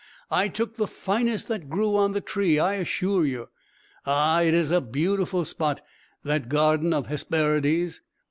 I took the finest that grew on the tree, I assure you. Ah! it is a beautiful spot, that garden of Hesperides.